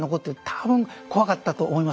多分怖かったと思います。